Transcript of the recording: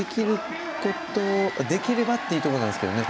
できればっていうところなんですけどね。